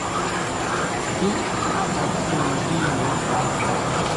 Pri Akundino?